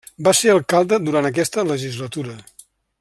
Va ser alcalde durant aquesta legislatura.